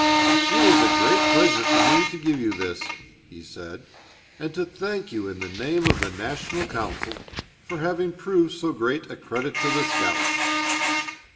"It is a great pleasure for me to give you this," he said, "and to thank you in the name of the national council for having proved so great a credit to the scouts."